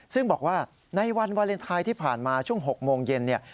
ซึ่งบอกว่าในวันวาเลนไทยที่ผ่านมาช่วง๖โมงเย็นเนี่ย